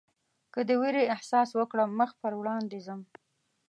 که د وېرې احساس وکړم مخ پر وړاندې ځم.